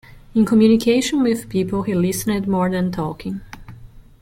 In communication with people he listened more than talking.